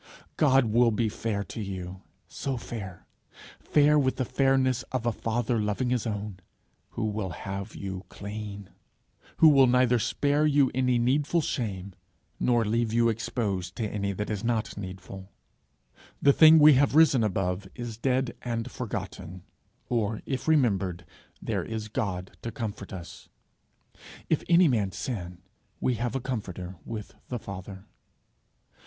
God will be fair to you so fair! fair with the fairness of a father loving his own who will have you clean, who will neither spare you any needful shame, nor leave you exposed to any that is not needful. The thing we have risen above, is dead and forgotten, or if remembered, there is God to comfort us. 'If any man sin, we have a comforter with the Father.'